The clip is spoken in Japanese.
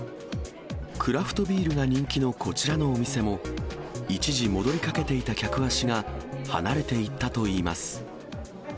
クラフトビールが人気のこちらのお店も、一時、戻りかけていた客足が離れていったといいます。